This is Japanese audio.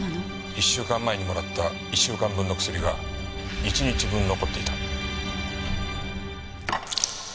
１週間前にもらった１週間分の薬が１日分残っていた。